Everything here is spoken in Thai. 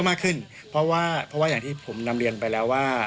มากขึ้นเพราะว่าเพราะว่าอย่างที่ผมนำเรียนไปแล้วว่า